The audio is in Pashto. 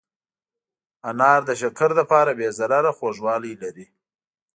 انار د شکر لپاره بې ضرره خوږوالی لري.